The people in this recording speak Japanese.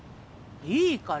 いいから。